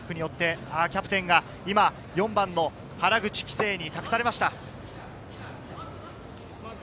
キャプテンが４番の原口玖星に託されました。